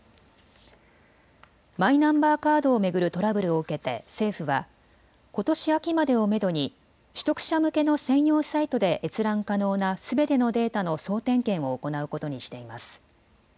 マイナンバーカードを巡るトラブルを受けて政府はことし秋までをめどに取得者向けの専用サイトで閲覧可能なすべてのデータの総点検を行うことにしています。